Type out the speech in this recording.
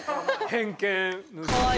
偏見。